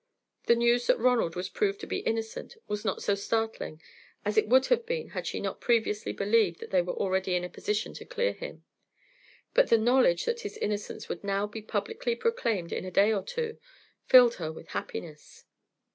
The news that Ronald was proved to be innocent was not so startling as it would have been had she not previously believed that they were already in a position to clear him; but the knowledge that his innocence would now be publicly proclaimed in a day or two, filled her with happiness.